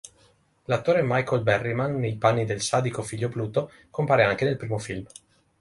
L'attore Michael Berryman, nei panni del sadico figlio Pluto, compare anche nel primo film.